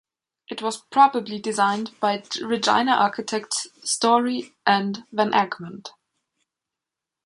It was probably designed by Regina architects Storey and Van Egmond.